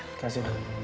terima kasih dong